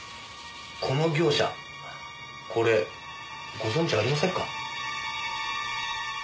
この業者これご存じありませんか？